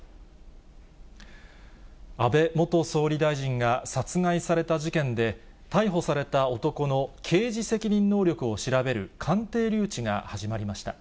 安倍元総理大臣が殺害された事件で、逮捕された男の刑事責任能力を調べる鑑定留置が始まりました。